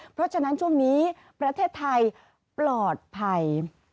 เพราะฉะนั้นช่วงนี้ประเทศไทยปลอดภัย